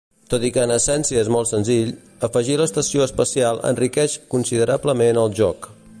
Tot i que en essència és molt senzill, afegir l'estació espacial enriqueix considerablement el joc.